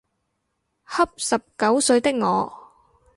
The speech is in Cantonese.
恰十九歲的我